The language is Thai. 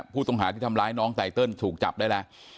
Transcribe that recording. ผู้ต้องหาที่ทำร้ายน้องไตเติลถูกจับได้แล้ว